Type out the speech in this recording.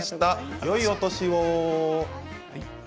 よいお年を。